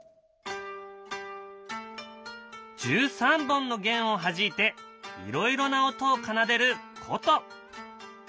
１３本の弦をはじいていろいろな音を奏でること。